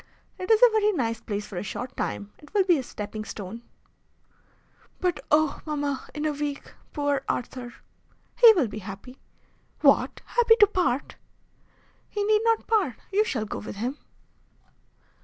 "It is a very nice place for a short time. It will be a stepping stone." "But oh! mamma, in a week! Poor Arthur!" "He will be happy." "What! happy to part?" "He need not part. You shall go with him."